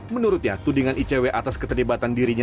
menurutnya tudingan icw atas keterlibatan dirinya